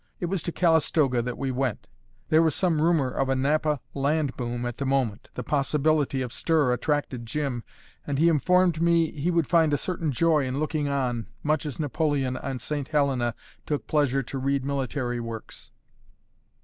It was to Calistoga that we went; there was some rumour of a Napa land boom at the moment, the possibility of stir attracted Jim, and he informed me he would find a certain joy in looking on, much as Napoleon on St. Helena took a pleasure to read military works.